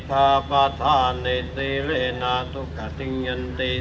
อธินาธาเวระมะนิสิขาปะทังสมาธิยามี